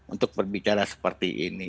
untuk berbicara seperti ini